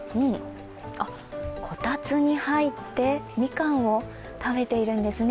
こたつに入ってみかんを食べているんですね。